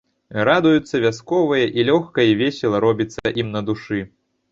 Радуюцца вясковыя і лёгка, і весела робіцца ім на душы.